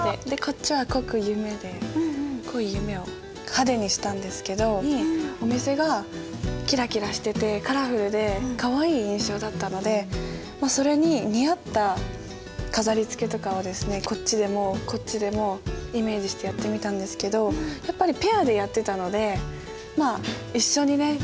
でこっちは濃く「夢」で濃い夢を派手にしたんですけどお店がキラキラしててカラフルでかわいい印象だったのでそれに似合った飾りつけとかをこっちでもこっちでもイメージしてやってみたんですけどやっぱりペアでやってたので一緒にね